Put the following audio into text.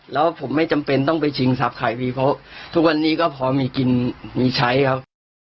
แล้วผมไม่จำเป็นต้องไปชิงทรัพย์ใครพี่เพราะทุกวันนี้ก็พอมีกินมีใช้ครับ